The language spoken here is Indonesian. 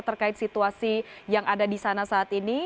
terkait situasi yang ada di sana saat ini